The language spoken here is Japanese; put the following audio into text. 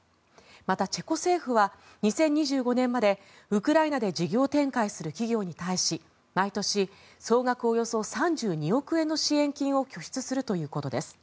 また、チェコ政府は２０２５年までウクライナで事業展開する企業に対し毎年、総額およそ３２億円の支援金を拠出するということです。